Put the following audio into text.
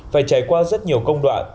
phải trải qua rất nhiều công đoạn